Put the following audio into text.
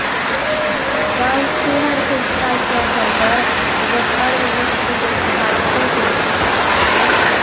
The John T. Henderson Child Care Center is available for students who have children.